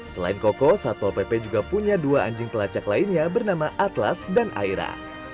selain koko satpol pp juga punya dua anjing pelacak lainnya bernama atlas dan aira